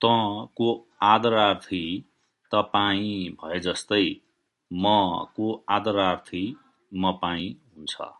'त' को आदरार्थी 'तपाईं' भएजस्तै 'म' को आदरार्थी 'मपाई' हुन्छ।